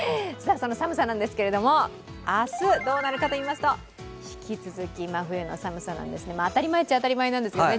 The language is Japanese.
その寒さですけれども、明日どうなるかといいますと引き続き真冬の寒さなんですね、当たり前っちゃ当たり前なんですよね。